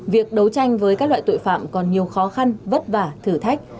việc đấu tranh với các loại tội phạm còn nhiều khó khăn vất vả thử thách